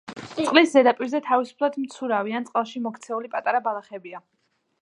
წყლის ზედაპირზე თავისუფლად მცურავი ან წყალში მოქცეული პატარა ბალახებია.